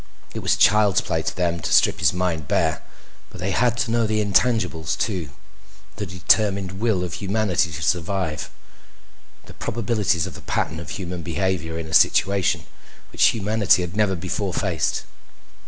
It was child's play to them to strip his mind bare; but they had to know the intangibles too, the determined will of humanity to survive, the probabilities of the pattern of human behavior in a situation which humanity had never before faced.